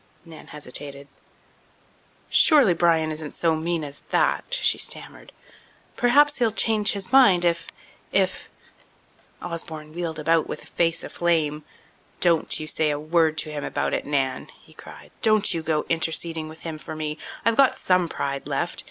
Nan hesitated. "Surely Bryan isn't so mean as that," she stammered. "Perhaps he'll change his mind if—if—" Osborne wheeled about with face aflame. "Don't you say a word to him about it, Nan!" he cried. "Don't you go interceding with him for me. I've got some pride left.